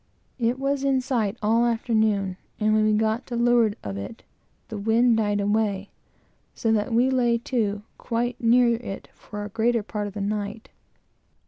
It was in sight all the afternoon; and when we got to leeward of it, the wind died away, so that we lay to quite near it for a greater part of the night.